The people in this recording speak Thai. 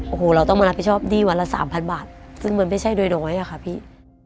โอ้โหเราต้องมารับผิดชอบหนี้วันละสามพันบาทซึ่งมันไม่ใช่โดยน้อยอะค่ะพี่